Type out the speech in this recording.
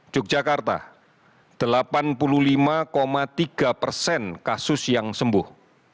yogyakarta delapan puluh lima tiga persen kasus yang sembuh